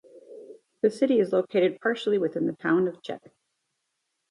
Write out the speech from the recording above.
The city is located partially within the Town of Chetek.